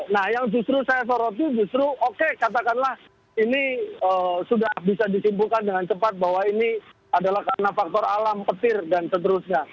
nah yang justru saya soroti justru oke katakanlah ini sudah bisa disimpulkan dengan cepat bahwa ini adalah karena faktor alam petir dan seterusnya